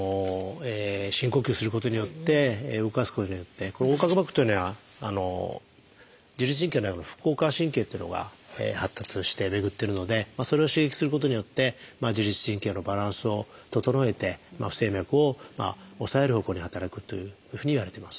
深呼吸することによって動かすことによって横隔膜というのは自律神経の副交感神経っていうのが発達して巡ってるのでそれを刺激することによって自律神経のバランスを整えて不整脈を抑える方向に働くというふうにいわれてます。